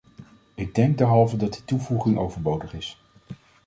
Ik denk derhalve dat die toevoeging overbodig is.